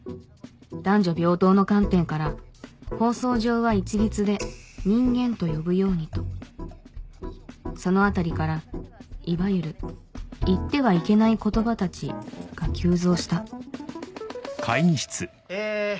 男女平等の観点から放送上は一律で「人間」と呼ぶようにとそのあたりからいわゆる言ってはいけない言葉たちが急増したえ